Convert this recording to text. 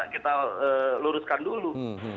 kita luruskan dulu